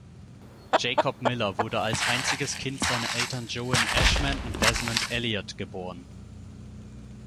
Jacob Miller wurde als einziges Kind seiner Eltern Joan Ashman und Desmond Elliot geboren.